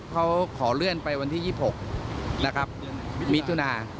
เขาขอเลื่อนไปวันที่๒๖มิถุนายน